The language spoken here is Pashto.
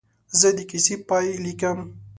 زه د کیسې پاې لیکم.